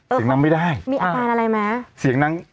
เสียงนางไม่ได้